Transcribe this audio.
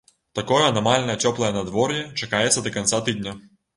Такое анамальна цёплае надвор'е чакаецца да канца тыдня.